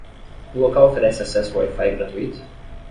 O local oferece acesso Wi-Fi gratuito?